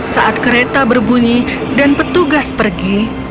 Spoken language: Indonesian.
saat kereta berbunyi dan petugas pergi